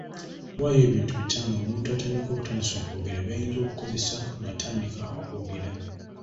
Waayo ebintu bitaano omuntu atandika obutandisi okwogera by’ayinza okukozesa ng’atandika okwogera.